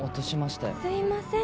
すいません